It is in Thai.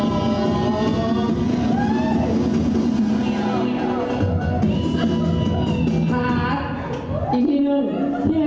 สุดท้ายก็ไม่มีเวลาที่จะรักกับที่อยู่ในภูมิหน้า